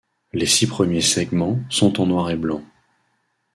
Les six premiers segments sont en noir et blanc.